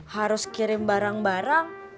harus kirim barang barang